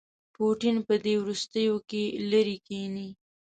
پوټین په دې وروستیوکې لیرې کښيني.